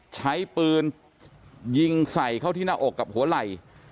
ใช้ปืนยิงใส่เข้าที่หน้าอกกับหัวไหล่